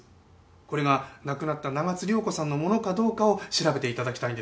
これが亡くなった長津涼子さんのものかどうかを調べて頂きたいんです。